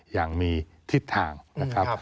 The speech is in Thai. อย่างมีทิศทางนะครับ